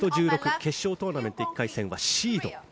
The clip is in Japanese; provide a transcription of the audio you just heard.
決勝トーナメント１回戦はシード。